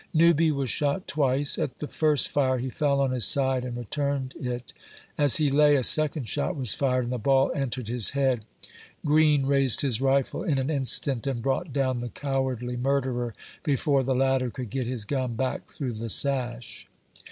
Newby was shot twice; at the first fire, he fell on his side and returned it ; as he lay, a second shot was fired, and the ball entered his head. Green raised his rifle in an instant, and brought down the cowardly mur derer, before the latter could get his gun back through the sash.